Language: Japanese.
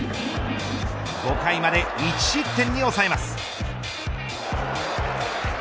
５回まで１失点に抑えます。